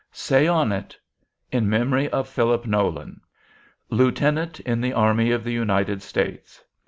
Say on it: "'In Memory of "'PHILIP NOLAN, "'Lieutenant in the Army of the United States.